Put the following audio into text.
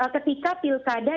ketika pilkada diperoleh